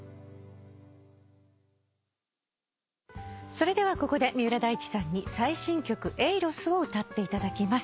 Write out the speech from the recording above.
それではここで三浦大知さんに最新曲『ＡＬＯＳ』を歌っていただきます。